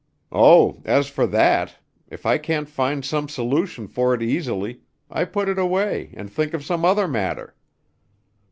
"Oh, as for that, if I can't find some solution for it easily I put it away and think of some other matter.